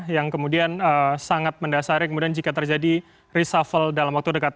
yang kemudian sangat mendasari kemudian jika terjadi reshuffle dalam waktu dekat